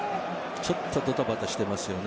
ちょっとドタバタしてますよね。